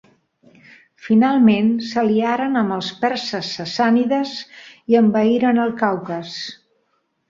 Finalment s'aliaren amb els perses sassànides i envaïren el Caucas.